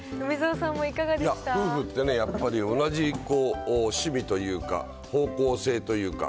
夫婦ってね、やっぱり同じ趣味というか、方向性というか、